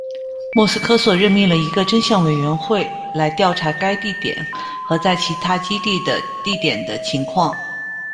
莫斯科索任命了一个真相委员会来调查该地点和在其他基地的地点的情况。